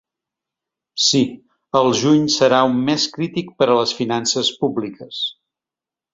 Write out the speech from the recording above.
Sí, el juny serà un mes crític per a les finances públiques.